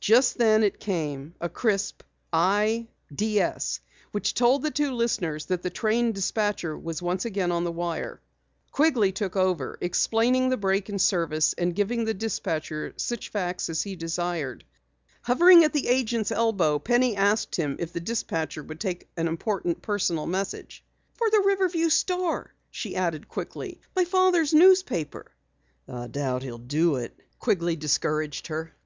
Just then it came a crisp "I DS" which told the two listeners that the train dispatcher again was on the wire. Quigley took over, explaining the break in service and giving the dispatcher such facts as he desired. Hovering at the agent's elbow, Penny asked him if the dispatcher would take an important personal message. "For the Riverview Star," she added quickly. "My father's newspaper." "I doubt he'll do it," Quigley discouraged her.